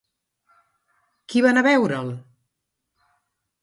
Qui va anar a veure'l?